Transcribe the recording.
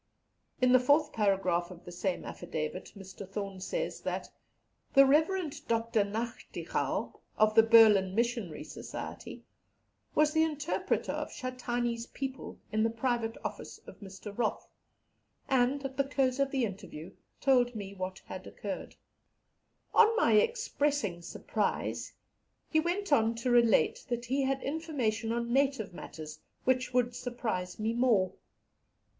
In the fourth paragraph of the same affidavit, Mr. Thorne says that "the Rev. Dr. Nachtigal, of the Berlin Missionary Society, was the interpreter for Shatane's people, in the private office of Mr. Roth, and, at the close of the interview, told me what had occurred. On my expressing surprise, he went on to relate that he had information on native matters which would surprise me more.